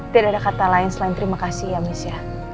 tidak ada kata lain selain terima kasih ya miss